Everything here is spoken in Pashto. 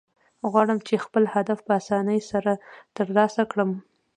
غواړم، چي خپل هدف په آساني سره ترلاسه کړم.